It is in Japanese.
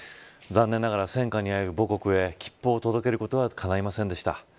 残念ながら戦火にあえぐ母国へ切符を届けることはかないませんでした。